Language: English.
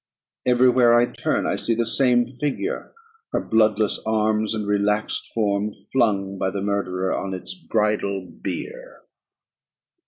Every where I turn I see the same figure her bloodless arms and relaxed form flung by the murderer on its bridal bier.